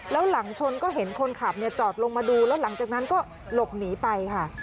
แล้วหลังชนก็เห็นคนขับจอดลงมาดูแล้วหลังจากนั้นก็หลบหนีไปค่ะ